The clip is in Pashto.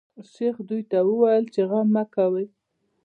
شیخ دوی ته وویل چې غم مه کوی.